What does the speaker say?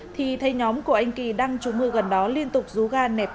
thì thấy nhóm của anh kỳ đang chú mưa gần đó liên tục rú ga nẹp